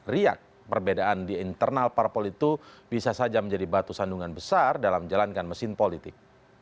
riak perbedaan di internal parpol itu bisa saja menjadi batu sandungan besar dalam menjalankan mesin politik